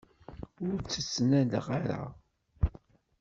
Ur tt-ttnaleɣ ara.